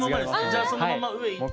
じゃあそのまま上行って。